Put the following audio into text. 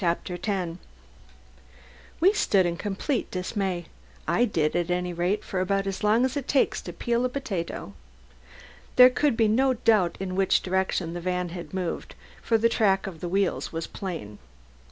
CHAPTER TEN We stood in complete dismay I did, at any rate for about as long as it takes to peel a potato. There could be no doubt in which direction the van had moved, for the track of the wheels was plain.